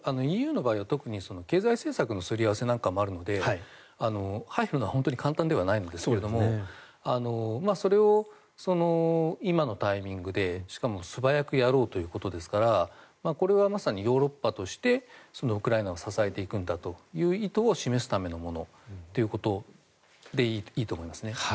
ＥＵの場合は特に経済政策のすり合わせなんかもあるので入るのは本当に簡単ではないんですがそれを今のタイミングでしかも素早くやろうということですからこれはまさにヨーロッパとしてウクライナを支えていくんだという意図を示すためのものということでいいと思います。